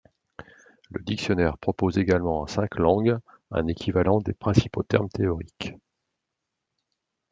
Le dictionnaire propose également en cinq langues un équivalent des principaux termes théoriques.